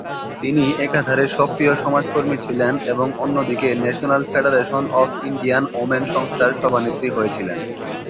তিনি একাধারে সক্রিয় সমাজকর্মী ছিলেন এবং অন্যদিকে 'National Federation of Indian Women' সংস্থার সভানেত্রী হয়েছিলেন।